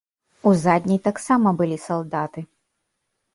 У задняй таксама былі салдаты.